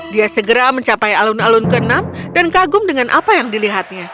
dia segera mencapai alun alun ke enam dan kagum dengan apa yang dilihatnya